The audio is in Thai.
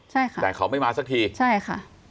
ใช่ค่ะแต่เขาไม่มาสักทีใช่ค่ะ